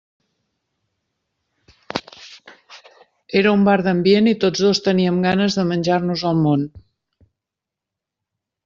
Era un bar d'ambient i tots dos teníem ganes de menjar-nos el món.